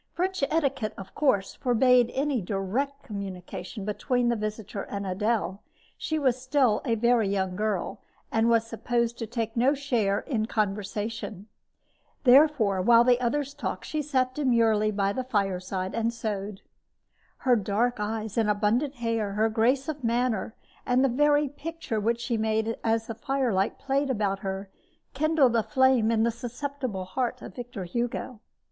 French etiquette, of course, forbade any direct communication between the visitor and Adele. She was still a very young girl, and was supposed to take no share in the conversation. Therefore, while the others talked, she sat demurely by the fireside and sewed. Her dark eyes and abundant hair, her grace of manner, and the picture which she made as the firelight played about her, kindled a flame in the susceptible heart of Victor Hugo.